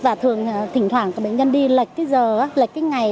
và thường thỉnh thoảng cái bệnh nhân đi lệch cái giờ lệch cái ngày